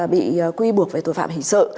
bị quy buộc về tội phạm hình sự